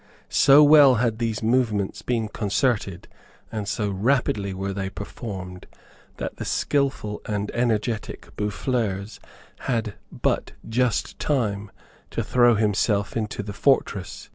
So well had these movements been concerted, and so rapidly were they performed, that the skilful and energetic Boufflers had but just time to throw himself into the fortress.